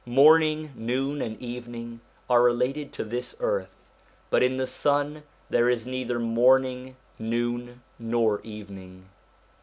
Morning, noon, and evening are related to this earth, but in the sun there is neither morning, noon, nor evening.